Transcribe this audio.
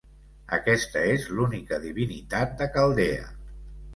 Aquesta és l'única divinitat de Caldea.